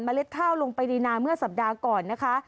เล็ดข้าวลงไปในนาเมื่อสัปดาห์ก่อนนะคะ